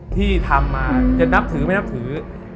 ที่ทำมาจะนับถือไม่นับถือ